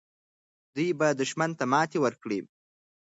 دوی به دښمن ته ماتې ورکړي.